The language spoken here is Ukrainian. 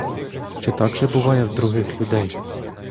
Чи так же буває в других людей?